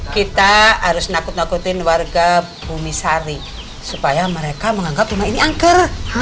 kita harus nakut nakutin warga bumi sari supaya mereka menganggap rumah ini angker